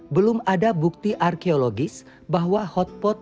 belum ada bukti arkeologis bahwa hotpot